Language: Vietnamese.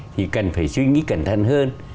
thì cần phải suy nghĩ cẩn thận hơn